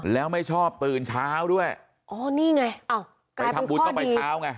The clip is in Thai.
แล้วไม่ชอบตื่นเช้าด้วยอ๋อนี่ไงอ้าวไปทำบุญต้องไปเช้าไง